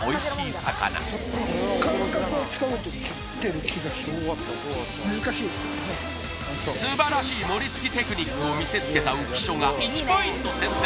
魚素晴らしいモリ突きテクニックを見せつけた浮所が１ポイント先制